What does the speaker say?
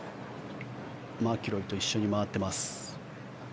マキロイと一緒に回っています。